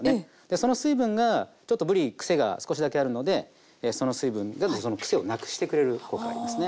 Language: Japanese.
その水分がちょっとぶりクセが少しだけあるのでその水分がそのクセをなくしてくれる効果がありますね。